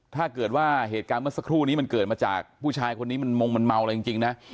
ถ้าเกิดว่าเหตุการณ์เมื่อสักครู่นี้มันเกิดมาจากผู้ชายคนนี้มันมงมันเมาอะไรจริงนะ